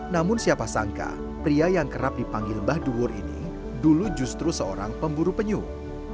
namun siapa sangka pria yang kerap dipanggil mbah duhur ini dulu justru seorang pemburu penyuh